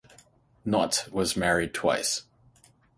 Nott was married twice.